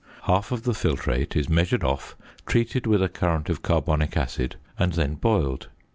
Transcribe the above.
Half of the filtrate is measured off, treated with a current of carbonic acid, and then boiled.